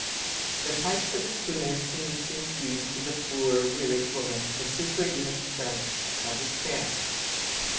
The sight of the schooner seemed to infuse into the poor, wearied woman the superhuman strength of despair.